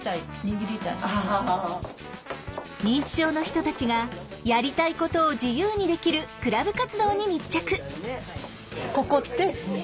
認知症の人たちがやりたいことを自由にできるクラブ活動に密着。